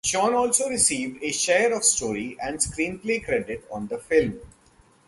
Shawn also received a share of story and screenplay credit on the film.